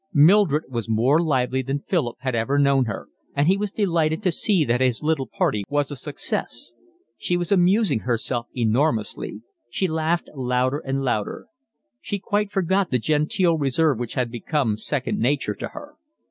Mildred was more lively than Philip had ever known her, and he was delighted to see that his little party was a success. She was amusing herself enormously. She laughed louder and louder. She quite forgot the genteel reserve which had become second nature to her.